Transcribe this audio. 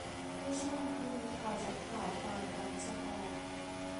ในช่วงที่มีข้อจำกัดด้านการส่งออก